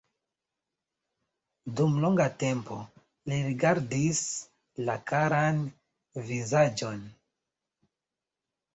Dum longa tempo li rigardis la karan vizaĝon.